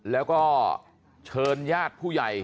แล้วก็เชิญญาติผู้ใหญ่